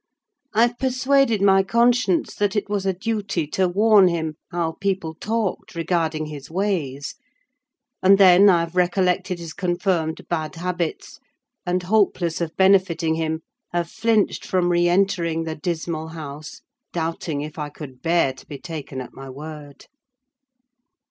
I've persuaded my conscience that it was a duty to warn him how people talked regarding his ways; and then I've recollected his confirmed bad habits, and, hopeless of benefiting him, have flinched from re entering the dismal house, doubting if I could bear to be taken at my word.